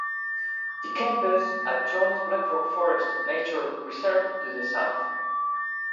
The campus adjoins Black Rock Forest nature preserve to the south.